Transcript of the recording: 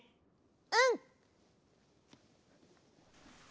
うん。